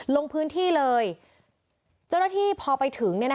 ลงพื้นที่เลยเจ้าหน้าที่พอไปถึง